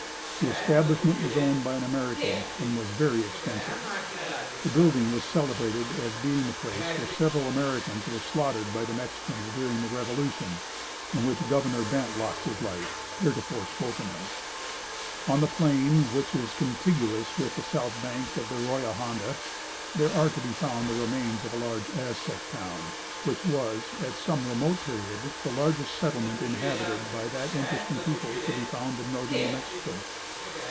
This establishment was owned by an American, and was very extensive. The building was celebrated as being the place where several Americans were slaughtered by the Mexicans during the revolution, in which Governor Bent lost his life, heretofore spoken of. On the plain which is contiguous with the south bank of the Arroya Hondo, there are to be found the remains of a large Aztec town, which was, at some remote period, the largest settlement inhabited by that interesting people to be found in northern New Mexico.